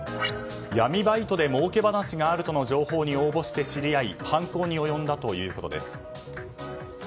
闇バイトでもうけ話があるとの情報に応募して知り合い犯行に及んだということです。